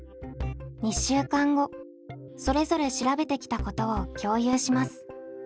それぞれ調べてきたことを共有します。